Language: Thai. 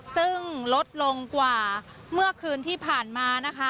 ซึ่งลดลงกว่าเมื่อคืนที่ผ่านมานะคะ